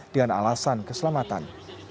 dengan alasan keselamatan